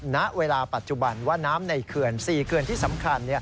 ณเวลาปัจจุบันว่าน้ำในเขื่อน๔เขื่อนที่สำคัญ